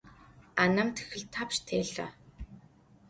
'anem txılh thapşş têlha?